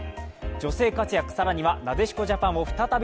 女性活躍、更にはなでしこジャパンを再び